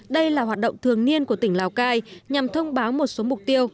đây là hoạt động thường niên của tỉnh lào cai nhằm thông báo một số mục tiêu